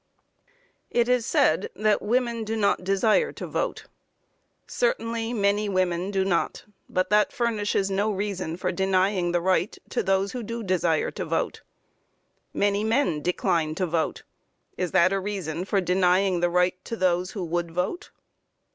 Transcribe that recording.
It is said that women do not desire to vote. Certainly many women do not, but that furnishes no reason for denying the right to those who do desire to vote. Many men decline to vote. Is that a reason for denying the right to those who would vote?